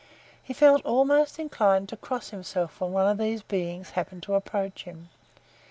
He felt almost inclined to cross himself when one of these beings happened to approach him.